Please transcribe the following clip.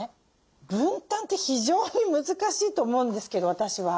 分担って非常に難しいと思うんですけど私は。